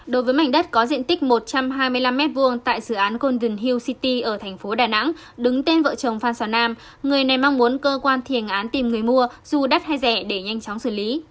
đối với mảnh đất có diện tích một trăm hai mươi năm m hai tại dự án convien hil city ở thành phố đà nẵng đứng tên vợ chồng phan xào nam người này mong muốn cơ quan thiền án tìm người mua dù đắt hay rẻ để nhanh chóng xử lý